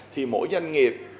thì mỗi doanh nghiệp